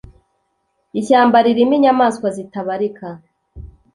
ishyamba ririmo inyamaswa zitabarika